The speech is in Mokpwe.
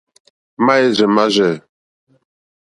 Máɛ́rzɛ̀ mâ rzɛ̂.